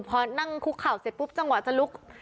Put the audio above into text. พอนั่งคุกเข่าเสร็จปุ๊บจังหวะจะลุก